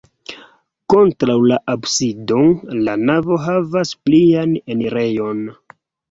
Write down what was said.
Kontraŭ la absido la navo havas plian enirejon.